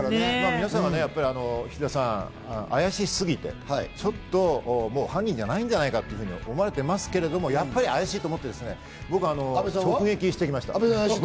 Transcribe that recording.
皆さん、菱田さんがあやしすぎて犯人じゃないんじゃないかと思われていますけど、やっぱりあやしいと思って、直撃してきました。